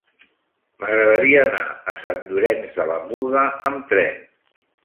M'agradaria anar a Sant Llorenç de la Muga amb tren.